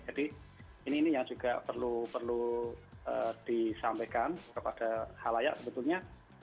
jadi ini juga perlu disampaikan kepada halayak sebetulnya